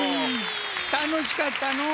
たのしかったのう。